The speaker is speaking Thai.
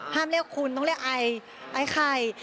ห้ามเรียกคุณต้องเรียกไอ้ไข่